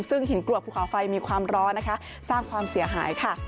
ซึ่งหินกรวบภูเขาไฟมีความร้อนนะคะสร้างความเสียหายค่ะ